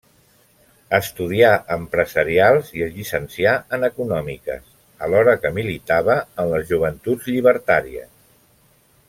Estudià empresarials i es llicencià en econòmiques, alhora que militava en les Joventuts Llibertàries.